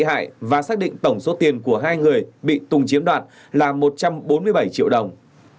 và đã làm việc được với hai bị hại và xác định tổng số tiền của hai người bị tùng chiếm đoạt là một trăm bốn mươi bảy triệu đồng